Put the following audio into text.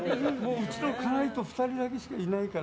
うちの家内と２人だけしかいないから。